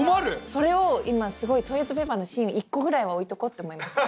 それを今すごいトイレットペーパーの芯１個ぐらいは置いとこって思いました